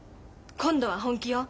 今度は本気よ。